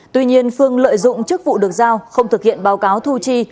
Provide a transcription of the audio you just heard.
tuy nhiên phương lợi dụng chức vụ được giao không thực hiện báo cáo thu chi